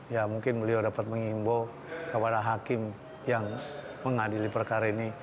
ya mungkin beliau dapat mengimbau kepada hakim yang mengadili perkara ini